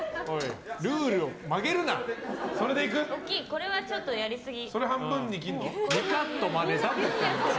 これはちょっとやりすぎ。